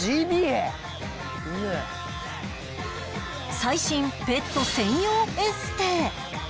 最新ペット専用エステ